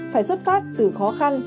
phải xuất phát từ khó khăn